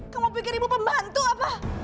kamu pikir ibu pembantu apa